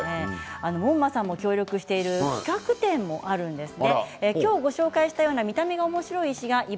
門馬さんも協力している企画展があるんですね。